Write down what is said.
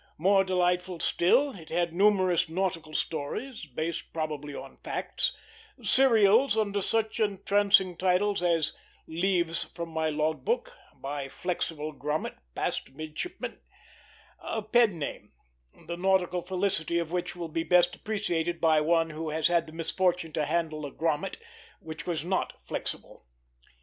More delightful still, it had numerous nautical stories, based probably on facts, serials under such entrancing titles as "Leaves from my Log Book," by Flexible Grommet, Passed Midshipman; a pen name, the nautical felicity of which will be best appreciated by one who has had the misfortune to handle a grommet which was not flexible.